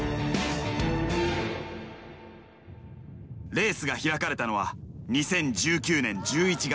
レースが開かれたのは２０１９年１１月。